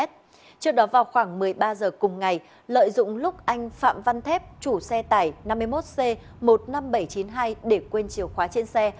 trước đó vào khoảng một mươi ba h cùng ngày lợi dụng lúc anh phạm văn thép chủ xe tải năm mươi một c một mươi năm nghìn bảy trăm chín mươi hai để quên chiều khóa trên xe